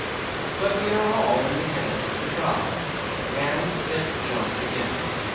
But we are all in the hands of the Gods; and Pip jumped again.